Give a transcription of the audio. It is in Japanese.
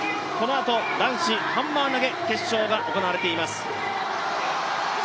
男子ハンマー投げ決勝が行われています。